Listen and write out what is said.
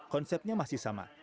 konsepnya masih sama